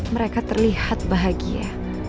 mereka terlihat bahagia